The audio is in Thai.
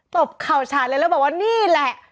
ตบเข่าฉาดเลยแล้วบอกว่านี่แหละ